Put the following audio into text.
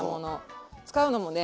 使うのもね